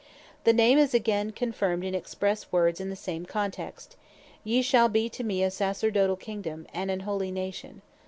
The same is again confirmed in expresse words in the same Text, "Yee shall be to me a Sacerdotall Kingdome, and an holy Nation."